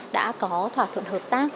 đã có thỏa thuận hợp tác